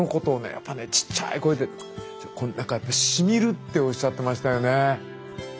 やっぱねちっちゃい声で何かやっぱ「しみる」っておっしゃってましたよね。